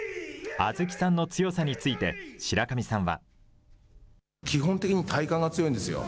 亜豆紀さんの強さについて、白神さんは。